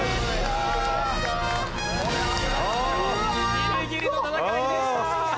ギリギリの戦いでした。